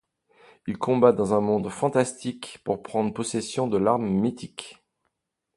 Ils combattent dans un monde fantastique pour prendre possession de l'arme mythique.